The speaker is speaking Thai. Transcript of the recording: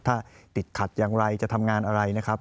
ถ้าติดขัดอย่างไรจะทำงานอะไรนะครับ